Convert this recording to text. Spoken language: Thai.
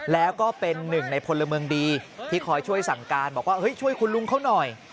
แล้วก็เป็นหนึ่งในพลเมืองดีที่คอยช่วยสั่งการบอกว่าเฮ้ยช่วยคุณลุงเขาหน่อย